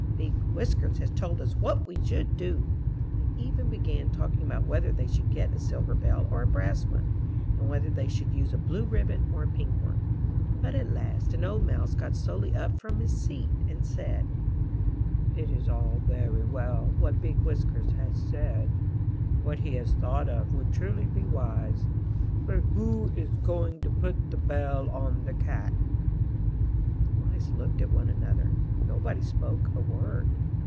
Big Whiskers has told us what we should do!'* They even began talking about whether they should get a silver bell or a brass one, and whether they should use a blue ribbon or a pink one. But at last an old Mouse got slowly up from his seat and said: S5 MY BOOK HOUSE '*It is all very well what Big Whiskers has said. What he has thought of would truly be wise, but WHO IS GOING TO PUT THE BELL ON THE CAT?" The Mice looked at one another; nobody spoke a word.